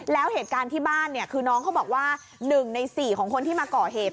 แล้วเหตุการณ์ที่บ้านเนี่ยคือน้องเขาบอกว่า๑ใน๔ของคนที่มาก่อเหตุ